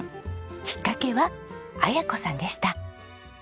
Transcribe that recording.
きっかけは彩子さんでした。